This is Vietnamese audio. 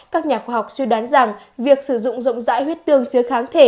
các nhà khoa học suy đoán rằng việc sử dụng rộng rãi huyết tương dưới kháng thể